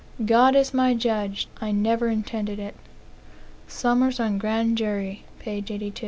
God is my judge, I never intended it.' "Somers on Grand Juries, p.